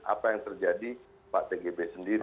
apa yang terjadi pak tgb sendiri